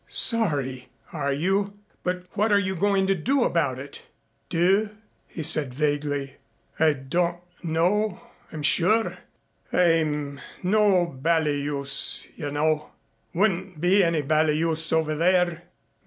"Sorry! Are you? But what are you going to do about it?" "Do?" he said vaguely. "I don't know, I'm sure. I'm no bally use, you know. Wouldn't be any bally use over there.